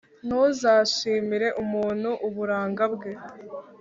Ntuzashimire umuntu uburanga bwe,